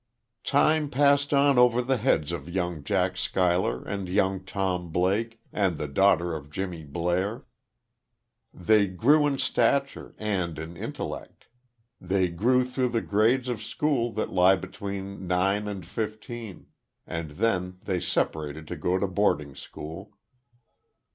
Time passed on over the heads of young Jack Schuyler and young Tom Blake and the daughter of Jimmy Blair. They grew in stature, and in intellect. They grew through the grades of school that lie between nine and fifteen; and then they separated to go to boarding school.